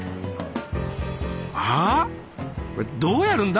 これどうやるんだ？